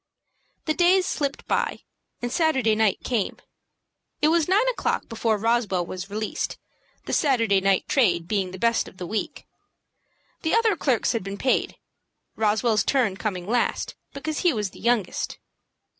The days slipped by, and Saturday night came. It was nine o'clock before Roswell was released, the Saturday night trade being the best of the week. The other clerks had been paid, Roswell's turn coming last, because he was the youngest.